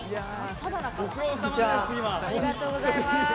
ありがとうございます。